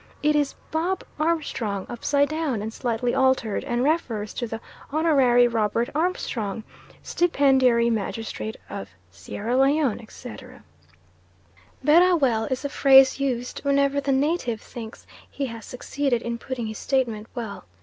It is Bob Armstrong upside down, and slightly altered, and refers to the Hon. Robert Armstrong, stipendiary magistrate of Sierra Leone, etc. "Berrah well" is a phrase used whenever the native thinks he has succeeded in putting his statement well.